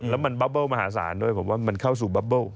แล้วมันบับเบิ้ลมหาศาลด้วยผมว่ามันเข้าสู่บับเบิ้ล